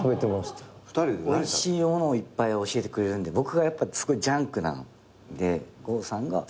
おいしいものをいっぱい教えてくれるんで僕がすごいジャンクなんで剛さんが。